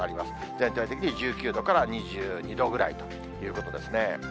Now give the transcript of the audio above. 全体的に１９度から２２度ぐらいということですね。